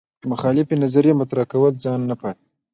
د مخالفې نظریې مطرح کولو ځای نه پاتې